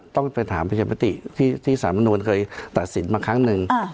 ต้องไปถามประชามติที่สารมนุนเคยตัดสินมาครั้งหนึ่ง